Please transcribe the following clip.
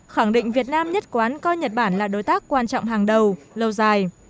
khẳng định việt nam nhất quán coi nhật bản là đối tác quan trọng hàng đầu lâu dài